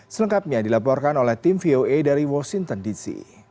selengkapnya dilaporkan oleh tim voa dari washington dc